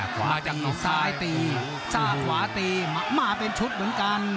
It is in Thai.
ขวาจังหวะซ้ายตีซากขวาตีมาเป็นชุดเหมือนกัน